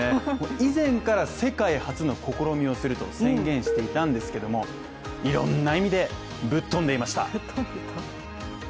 以前から、世界初の試みをすると宣言していたんですけどいろんな意味でぶっ飛んでいました。